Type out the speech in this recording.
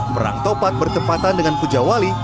perang topak bertempatan dengan puja wali